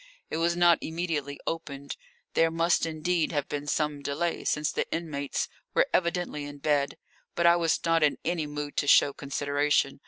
It was not immediately opened. There must indeed have been some delay, since the inmates were evidently in bed. But I was not in any mood to show consideration.